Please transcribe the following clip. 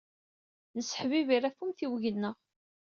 Nesseḥbibir ɣef umtiweg-nneɣ.